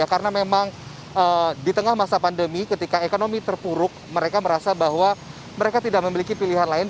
karena memang di tengah masa pandemi ketika ekonomi terpuruk mereka merasa bahwa mereka tidak memiliki pilihan lain